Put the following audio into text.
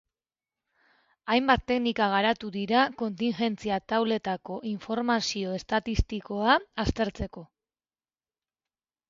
Hainbat teknika garatu dira kontigentzia-tauletako informazio estatistikoa aztertzeko.